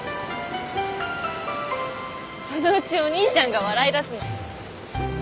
そのうちお兄ちゃんが笑い出すの。